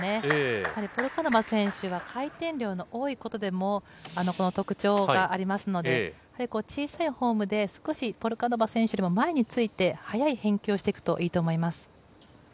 やはりポルカノバ選手は回転量が多いことでもこの特徴がありますので、やはり小さいフォームで少しポルカノバ選手より前について、速い返球をしていくといいと思います。